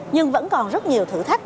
nhưng vẫn còn rất nhiều thử thách